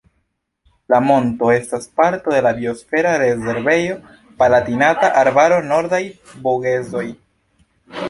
La monto estas parto de la Biosfera rezervejo Palatinata Arbaro-Nordaj Vogezoj.